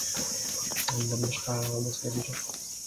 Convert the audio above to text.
Андан башка айлабыз деле жок.